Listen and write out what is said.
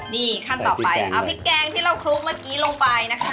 นี่ขั้นต่อไปเอาพริกแกงที่เราคลุกเมื่อกี้ลงไปนะคะ